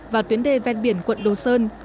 và tuyến đê ven biển quận đồ sơn